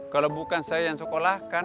kalau bukan saya yang sekolahkan